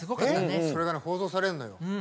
それが放送されるのよ。